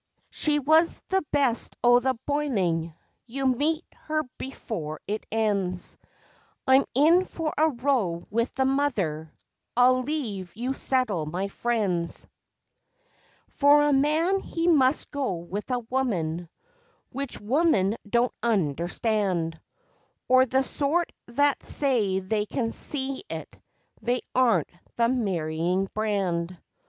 She was the best o' the boiling you'll meet her before it ends; I'm in for a row with the mother I'll leave you settle my friends: For a man he must go with a woman, which women don't understand Or the sort that say they can see it they aren't the marrying brand.